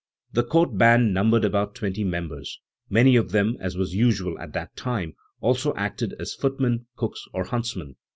The court band numbered about twenty members. Many of them as was usual at that time, also acted as footmen, cooks or huntsmen.